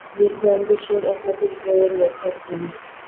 বিজ্ঞান বিষয়ক একাধিক বইয়ের লেখক তিনি।